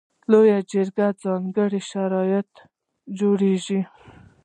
لویه جرګه په ځانګړو شرایطو کې جوړیږي.